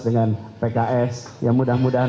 dengan pks ya mudah mudahan